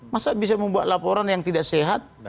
masa bisa membuat laporan yang tidak sehat